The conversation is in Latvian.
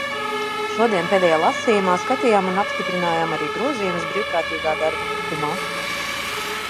Šodien pēdējā lasījumā skatījām un apstiprinājām arī grozījumus Brīvprātīgā darba likumā.